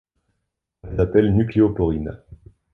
On les appelle nucléoporines.